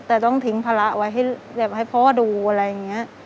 แต่ต้องทิ้งภาระไว้ให้พ่อดูอะไรอย่างนี้